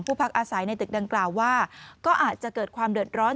พักอาศัยในตึกดังกล่าวว่าก็อาจจะเกิดความเดือดร้อน